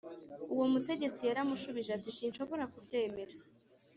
Uwo mutegetsi yaramushubije ati sinshobora kubyemera